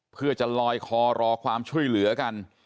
เพื่อจะลอยคอรอความช่วยเหลือกัน